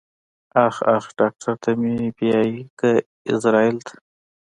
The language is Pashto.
اخ اخ ډاکټر ته مې بيايې که ايزرايل ته.